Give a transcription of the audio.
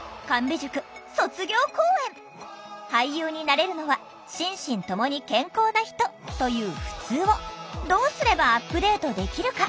「俳優になれるのは心身ともに健康な人」というふつうをどうすればアップデートできるか？